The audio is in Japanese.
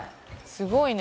「すごいね」